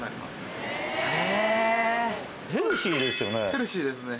ヘルシーですよね。